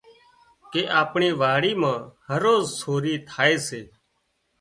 ڪي آپڻي واڙي مان هروز سوري ٿائي سي